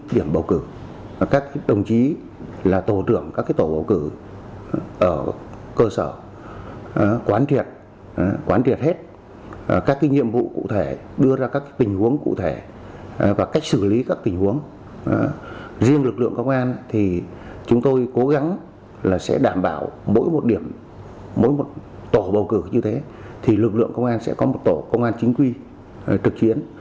đảm bảo mỗi một tổ bầu cử như thế thì lực lượng công an sẽ có một tổ công an chính quy trực chiến